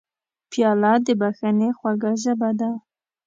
پیاله د بښنې خوږه ژبه ده.